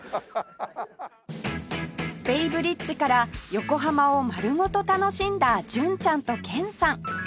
ベイブリッジから横浜を丸ごと楽しんだ純ちゃんと剣さん